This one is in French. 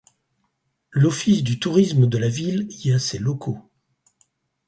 L’office du tourisme de la ville y a ses locaux.